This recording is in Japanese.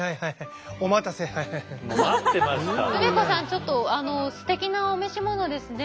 ちょっとあのすてきなお召し物ですね。